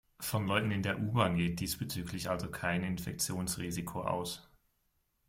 Von Leuten in der U-Bahn geht diesbezüglich also kein Infektionsrisiko aus.